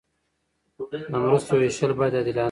د مرستو ویشل باید عادلانه وي.